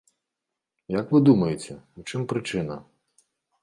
Як вы думаеце, у чым прычына?